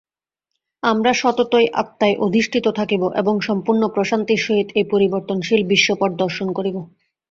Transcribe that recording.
আমরা সততই আত্মায় অধিষ্ঠিত থাকিব এবং সম্পূর্ণ প্রশান্তির সহিত এই পরিবর্তনশীল বিশ্বপট দর্শন করিব।